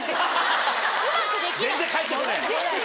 うまくできない。